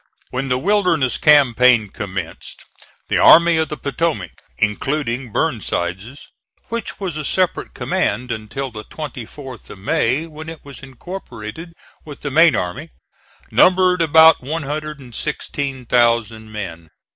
When the Wilderness campaign commenced the Army of the Potomac, including Burnside's which was a separate command until the 24th of May when it was incorporated with the main army numbered about 116,000 men.